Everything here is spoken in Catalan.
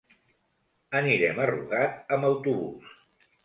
Anirem a Rugat amb autobús.